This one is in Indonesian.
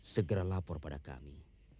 segera lapor pada kami